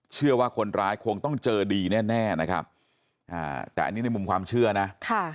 เชื่อว่าคนร้ายคงต้องเจอดีแน่แน่นะครับอ่าแต่อันนี้ในมุมความเชื่อนะค่ะ